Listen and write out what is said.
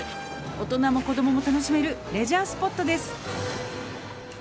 「大人も子供も楽しめるレジャースポットです」